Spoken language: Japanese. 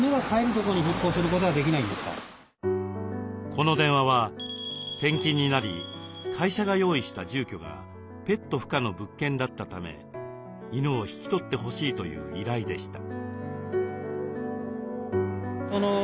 この電話は転勤になり会社が用意した住居がペット不可の物件だったため犬を引き取ってほしいという依頼でした。